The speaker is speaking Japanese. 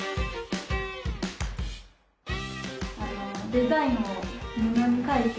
デザインを布に書いて。